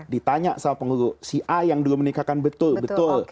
ditanya sama si a yang dulu menikahkan betul betul